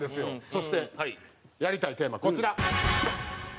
そしてやりたいテーマこちら。